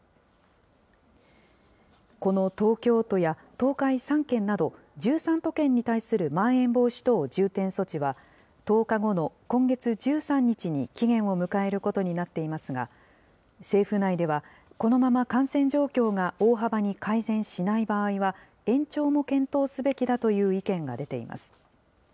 この東京都や東海３県など、１３都県に対するまん延防止等重点措置は、１０日後の今月１３日に期限を迎えることになっていますが、政府内では、このまま感染状況が大幅に改善しない場合は、延長も検討すべきだという意見が出ています。